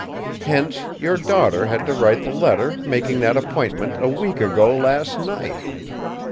Hence, your daughter had to write the letter making that appointment a week ago last night.